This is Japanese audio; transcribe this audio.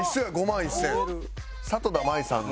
里田まいさんの。